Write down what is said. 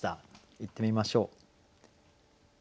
いってみましょう。